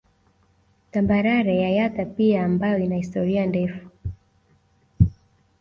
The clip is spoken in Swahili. Tambarare ya Yatta pia ambayo ina historia ndefu